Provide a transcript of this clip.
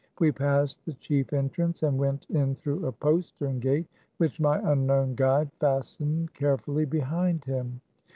We passed the chief entrance, and went in through a postern gate, which my unknown guide fastened carefully behind him.